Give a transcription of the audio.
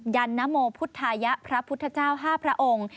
ันนโมพุทธายะพระพุทธเจ้า๕พระองค์